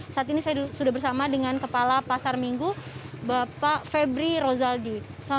saat ini saya sudah bersama dengan kepala pasar minggu bapak febri rozaldi